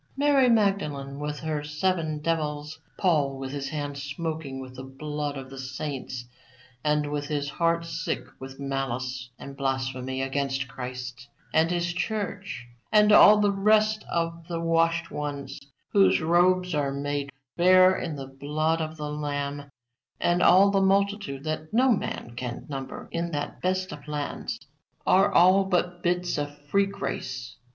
Mary Magdalene with her seven devils, Paul with his hands smoking with the blood of the saints, and with his heart sick with malice and blasphemy against Christ and His Church, and all the rest of the washen ones whose robes are made fair in the blood of the Lamb, and all the multitude that no man can number in that best of lands, are all but bits of free grace.